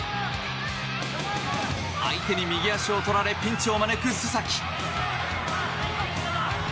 相手に右足を取られピンチを招く須崎。